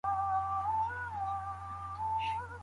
د بریا مقام یوازي لایقو کسانو ته نه سي سپارل کېدلای.